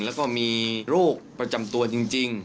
แล้วก็มีโรคประจำตัวจริง